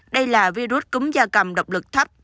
đây là virus cúm da cầm độc lực thấp